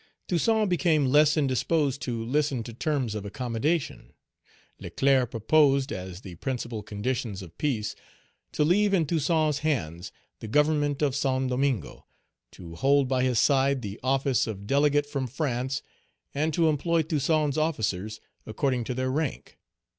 Toussaint became less indisposed to listen to terms of accommodation. Leclerc proposed, as the principal conditions of peace, to leave in Toussaint's hands the government of Saint Domingo, to hold by his side the office of delegate from France, and to employ Toussaint's officers according to their rank.